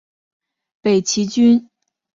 北齐军坚守河阳中潭城。